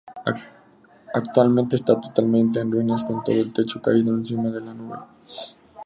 Actualmente está totalmente en ruinas, con todo el techo caído encima de la nave.